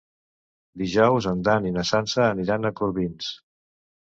Dijous en Dan i na Sança aniran a Corbins.